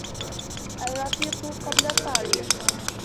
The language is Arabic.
الرفيق قبل الطريق.